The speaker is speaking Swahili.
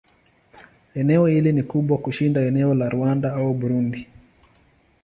Eneo hili ni kubwa kushinda eneo la Rwanda au Burundi.